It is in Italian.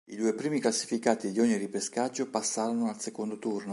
I due primi classificati di ogni ripescaggio passarono al secondo turno.